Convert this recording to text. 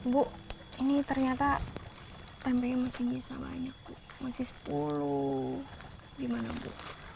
bu ini ternyata tempenya masih bisa banyak masih sepuluh gimana bu